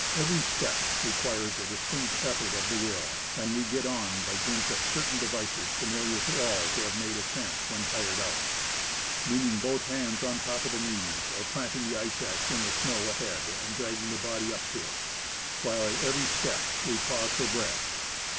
Every step requires a distinct effort of the will, and we get on by dint of certain devices familiar to all who have made ascents when tired out — leaning both hands on the knees, or planting the axe in the snow ahead and dragging the body up by it, while at every step we pause for breath.